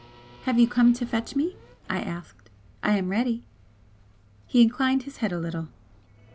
"Have you come to fetch me?" I asked "I am ready." He inclined his head a little.